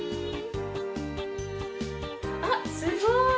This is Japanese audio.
あっすごい！